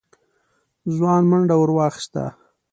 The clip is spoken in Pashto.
ځوان منډه ور واخيسته.